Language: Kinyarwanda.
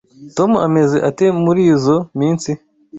Tom ameze ate murizoi minsi?